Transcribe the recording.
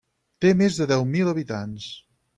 Té més de deu mil habitants.